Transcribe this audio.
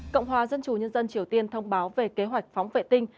cộng hòa dân chủ nhân dân triều tiên thông báo về kế hoạch phóng vệ tinh